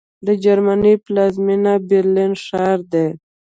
د جرمني پلازمېنه برلین ښار دی